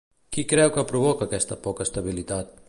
Qui creu que provoca aquesta poca estabilitat?